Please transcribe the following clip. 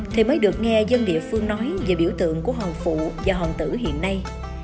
thì mới được nghe dân địa phương nói về biểu tượng của hòn phụ và hòn tử hiện nay